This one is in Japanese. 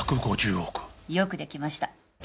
「１５０億」「よくできました」